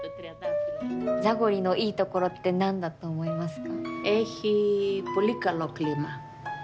ザゴリのいいところって何だと思いますか？